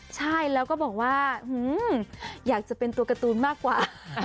ใช่แล้วก็บอกว่าอยากจะเป็นตัวการ์ตูนมากกว่า